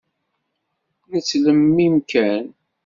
Nettlemmim kan.